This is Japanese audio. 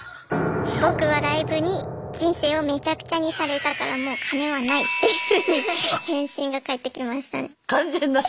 「僕はライブに人生をめちゃくちゃにされたからもう金はない」っていうふうに返信が返ってきました。